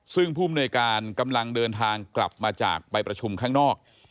ซึ่งผู้มนวยการกำลังเดินทางกลับมาจากไปประชุมข้างนอก